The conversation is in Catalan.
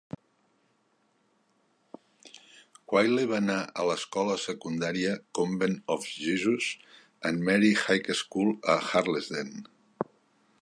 Quayle va anar a l"escola secundària Convent of Jesus and Mary High School a Harlesden.